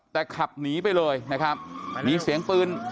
แต่ขับหนีไปเลยนะครับมีเสียงปืน